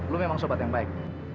lu memang sobat yang baik